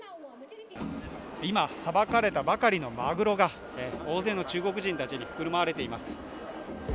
今、さばかれたばかりのまぐろが大勢の中国人たちに振る舞われています。